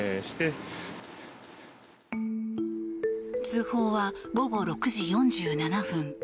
通報は午後６時４７分。